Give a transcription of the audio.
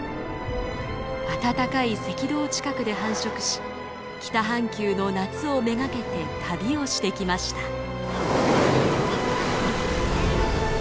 暖かい赤道近くで繁殖し北半球の夏を目がけて旅をしてきました。